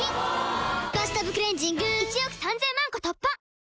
「バスタブクレンジング」１億３０００万個突破！